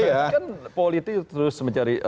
kan politik terus mencari